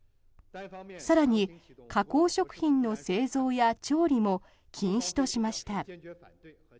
更に、加工食品の製造や調理も禁止としました。